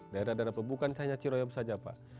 daerah daerah bukan cahaya ciroyam saja pak